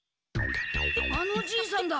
あのじいさんだ。